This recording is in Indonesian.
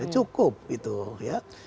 cukup itu ya